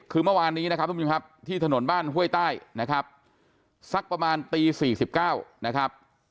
คือเมื่อวานนี้นะครับทุกผู้ชมครับที่ถนนบ้านห้วยใต้นะครับสักประมาณตี๔๙นะครับ